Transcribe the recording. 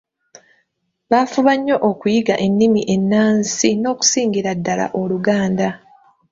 baafuba nnyo okuyiga ennimi ennansi n’okusingira ddala Oluganda